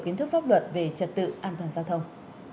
kiến thức pháp luật về trật tự an toàn giao thông